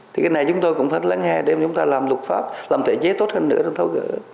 thì cái này chúng tôi cũng phải lắng nghe để chúng ta làm luật pháp làm thể chế tốt hơn nữa để tháo gỡ